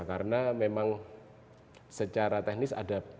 karena memang secara teknis ada yang mengatakan